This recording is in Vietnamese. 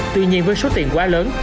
tuy nhiên với số tiền quá lớn